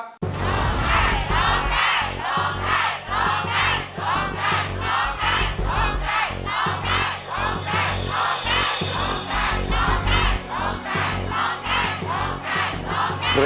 ร้องแกล้งร้องแกล้งร้องแกล้ง